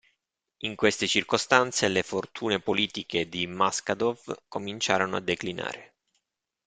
In queste circostanze, le fortune politiche di Maskhadov cominciarono a declinare.